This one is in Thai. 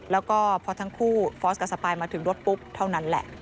แล้วก็พอทั้งคู่ฟอร์สกับสปายมาถึงรถปุ๊บเท่านั้นแหละ